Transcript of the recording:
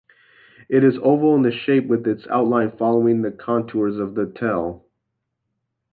It is oval in shape with its outline following the contours of the tell.